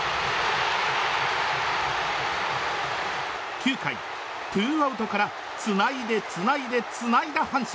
９回ツーアウトからつないでつないでつないだ阪神。